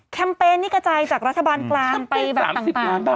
เปญนี่กระจายจากรัฐบาลกลางไปแบบต่าง